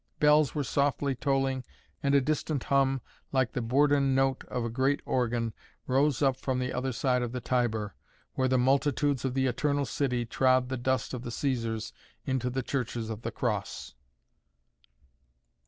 Bells were softly tolling and a distant hum like the bourdon note of a great organ, rose up from the other side of the Tiber, where the multitudes of the Eternal City trod the dust of the Cæsars into the churches of the Cross.